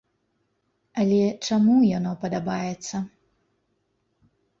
Але чаму яно падабаецца?